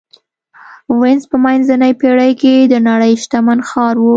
وینز په منځنۍ پېړۍ کې د نړۍ شتمن ښار و